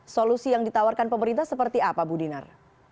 solusi yang ditawarkan pemerintah seperti apa bu dinar